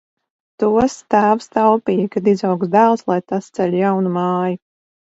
Tos tēvs taupīja, kad izaugs dēls, lai tas ceļ jaunu māju.